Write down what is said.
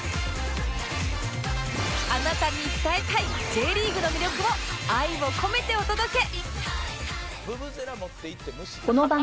あなたに伝えたい Ｊ リーグの魅力を愛を込めてお届け！